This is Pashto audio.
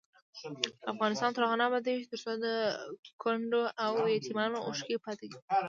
افغانستان تر هغو نه ابادیږي، ترڅو د کونډو او یتیمانو اوښکې پاکې نشي.